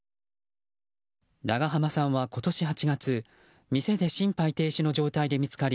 長濱さんは今年８月店で心肺停止の状態で見つかり